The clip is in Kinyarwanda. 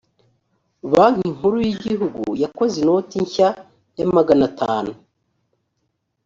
banki nkuru y igihugu yakoze inoti nshya ya maganatanu